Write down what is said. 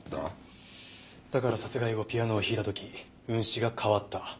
だから殺害後ピアノを弾いた時運指が変わった。